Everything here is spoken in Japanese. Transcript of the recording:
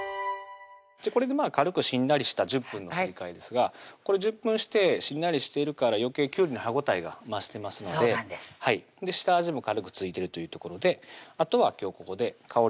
これで軽くしんなりした１０分のすり替えですが１０分してしんなりしているからよけいきゅうりの歯応えが増してますので下味も軽く付いてるというところであとはここで香りの白ねぎですね